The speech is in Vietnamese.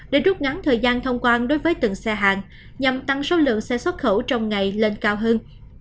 để rút ngắn thời gian thông quan đối với từng xe hàng nhằm tăng số lượng xe xuất khẩu trong ngày lên cao hơn